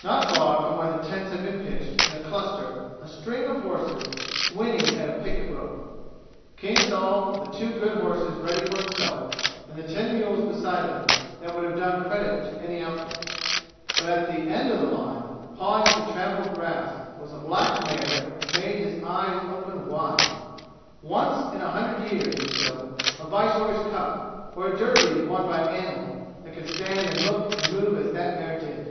Not far from where the tents had been pitched in a cluster a string of horses winnied at a picket rope. King saw the two good horses ready for himself, and ten mules beside them that would have done credit to any outfit. But at the end of the line, pawing at the trampled grass, was a black mare that made his eyes open wide. Once in a hundred years or so a viceroy's cup, or a Derby is won by an animal that can stand and look and move as that mare did.